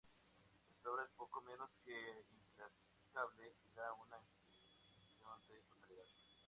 Esta obra es poco menos que inclasificable, y da una impresión de totalidad.